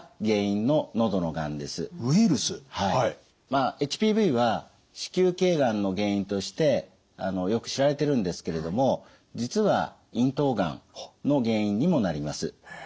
まあＨＰＶは子宮頸がんの原因としてよく知られてるんですけれども実は咽頭がんの原因にもなります。